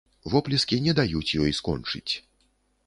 Воплескі не даюць ёй скончыць.